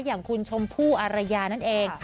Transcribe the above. อย่างคุณชมพู่อารยานั่นเอง